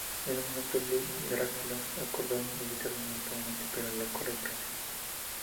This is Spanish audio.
En un momento, Lilith y Drácula acordaron evitarse mutuamente, pero el acuerdo se rompió.